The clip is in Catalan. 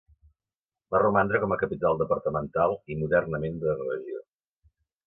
Va romandre com a capital departamental i modernament de regió.